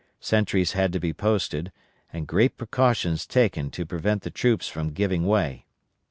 Sentries had to be posted, and great precautions taken to prevent the troops from giving way.